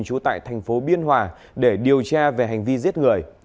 trú tại thành phố biên hòa để điều tra về hành vi giết người